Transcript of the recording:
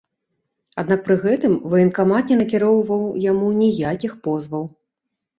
Аднак пры гэтым ваенкамат не накіроўваў яму ніякіх позваў.